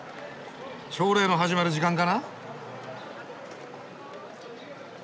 朝礼の始まる時間かな？